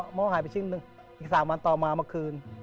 หมอหายไปชิ้นหนึ่งอีก๓วันต่อมาเมื่อคืน